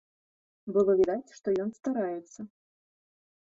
Было відаць, што ён стараецца.